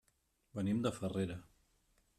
Venim de Farrera.